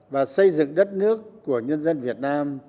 và xây dựng đất nước của nhân dân việt nam